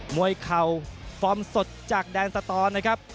เข่าฟอร์มสดจากแดนสตอนะครับ